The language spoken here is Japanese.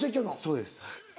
そうです。